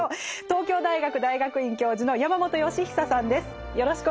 東京大学大学院教授の山本芳久さんです。